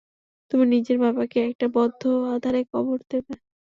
তুমি নিজের বাবাকে একটা বদ্ধ আধারে কবর দেবে।